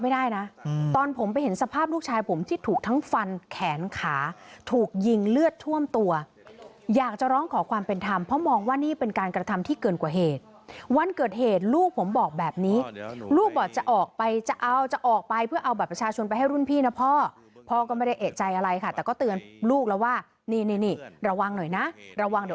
ไม่ได้นะตอนผมไปเห็นสภาพลูกชายผมที่ถูกทั้งฟันแขนขาถูกยิงเลือดท่วมตัวอยากจะร้องขอความเป็นธรรมเพราะมองว่านี่เป็นการกระทำที่เกินกว่าเหตุวันเกิดเหตุลูกผมบอกแบบนี้ลูกบอกจะออกไปจะเอาจะออกไปเพื่อเอาบัตรประชาชนไปให้รุ่นพี่นะพ่อพ่อก็ไม่ได้เอกใจอะไรค่ะแต่ก็เตือนลูกแล้วว่านี่นี่ระวังหน่อยนะระวังเดี๋ยว